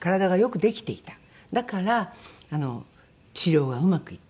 だから治療がうまくいった。